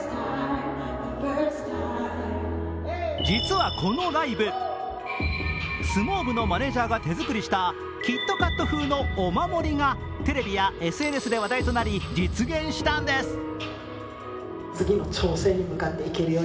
実はこのライブ、相撲部のマネージャーが手作りしたキットカット風のお守りがテレビやＳＮＳで話題となり実現したんです